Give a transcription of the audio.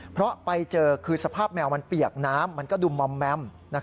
เพราะไปเจอคือสภาพแมวมันเปียกน้ำมันก็ดูมอมแมม